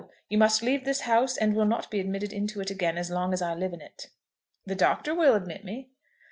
You must leave this house, and will not be admitted into it again as long as I live in it." "The Doctor will admit me."